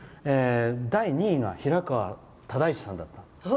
第２位が、平川唯一さんだったの。